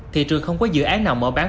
thị trường không có dự án nào mở bán